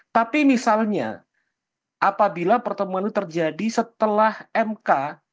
tapi misalnya apabila pertemuan itu terjadi setelah mk